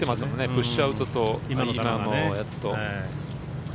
プッシュアウトと今のやつと。